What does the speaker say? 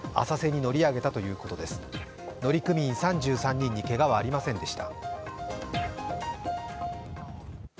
乗組員３３人にけがはありませんでした。